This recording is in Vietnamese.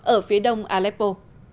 ở phía đông aleppo